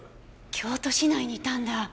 京都市内にいたんだ。